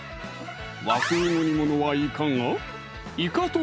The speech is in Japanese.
和風の煮物はいかが？